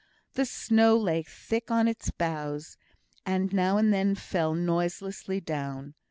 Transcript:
The snow lay thick on its boughs, and now and then fell noiselessly down.